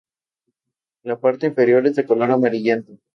La parte inferior es de color amarillento.